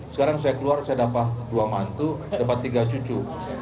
sekarang saya keluar saya dapat dua mantu dapat tiga cucu